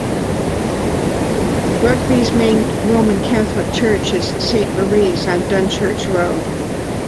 Rugby's main Roman Catholic church is Saint Maries on Dunchurch Road.